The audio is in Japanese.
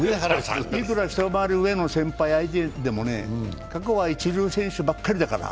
いくら一回り上の先輩相手でもね、過去は一流選手ばっかりだから。